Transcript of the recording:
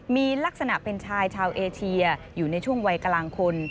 มีลักษณะเป็นชายชาวเอเชียอยู่ในช่วงวัยกลางคน